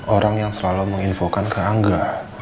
orang yang selalu menginfokan ke angga